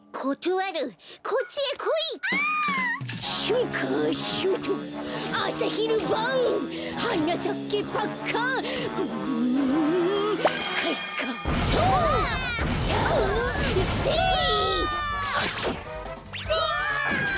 うわ！